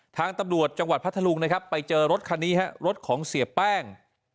ทางตำรวจจังหวัดพัทธลุงนะครับไปเจอรถคันนี้ฮะรถของเสียแป้ง